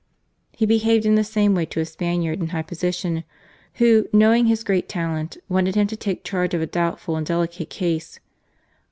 " He behaved in the same way to a Spaniard in high position who, knowing his great talent, wanted him LIFE AS A LAWYER. 17 to take charge of a doubtful and delicate case.